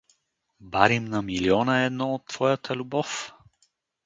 Барим на милиона едно от твоята любов?